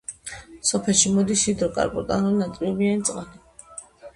სოფელში მოდის ჰიდროკარბონატული ნატრიუმიანი წყალი.